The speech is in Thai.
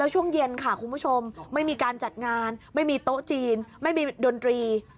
ช่วงเย็นค่ะคุณผู้ชมไม่มีการจัดงานไม่มีโต๊ะจีนไม่มีดนตรี